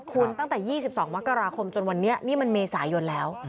คุณตั้งแต่๒๒มกราคมจนวันนี้นี่มันเมษายนแล้ว